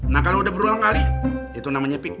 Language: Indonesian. nah kalau udah berulang kali itu namanya pik